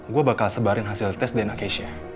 gue bakal sebarin hasil tes dna case nya